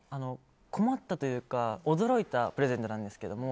困ったというか、驚いたプレゼントなんですけれども。